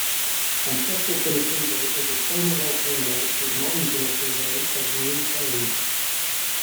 Ancestral Pinatubo is a somma volcano with modern Pinatubo as the new cone.